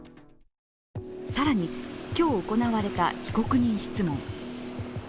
更に今日行われた被告人質問。